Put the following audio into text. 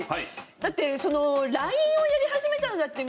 だってＬＩＮＥをやり始めたのだって